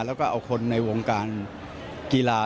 แล้วก็เอาคนในวงการกีฬา